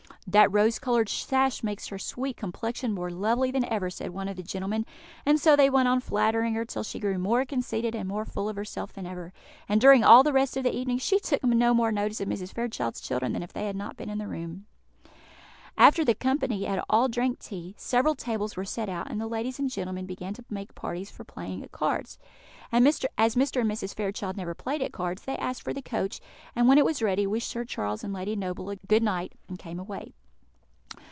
"That rose coloured sash makes her sweet complexion more lovely than ever," said one of the gentlemen; and so they went on flattering her till she grew more conceited and full of herself than ever; and during all the rest of the evening she took no more notice of Mrs. Fairchild's children than if they had not been in the room. After the company had all drank tea, several tables were set out, and the ladies and gentlemen began to make parties for playing at cards. As Mr. and Mrs. Fairchild never played at cards, they asked for the coach, and, when it was ready, wished Sir Charles and Lady Noble good night, and came away.